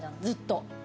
ずっと。